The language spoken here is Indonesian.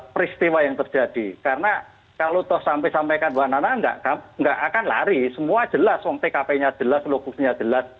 peristiwa yang terjadi karena kalau toh sampai sampaikan mbak nana nggak akan lari semua jelas om tkp nya jelas lokusnya jelas